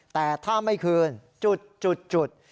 แต่ถ้าไม่คืนจุดจุดจุด